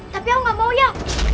tapi aku gak mau ya